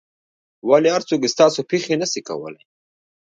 ولي هر څوک ستاسو پېښې نه سي کولای؟